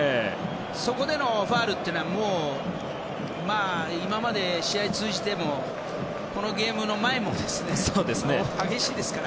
そこでのファウルっていうのは今まで試合を通じても、このゲームの前も激しいですから。